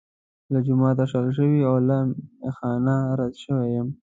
له جوماته شړل شوی او له میخا نه رد شوی یم.